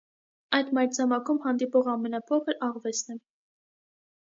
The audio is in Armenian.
Այդ մայրցամաքում հանդիպող ամենափոքր աղվեսն է։